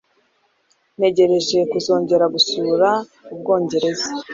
Ntegereje kuzongera gusura u Bwongereza.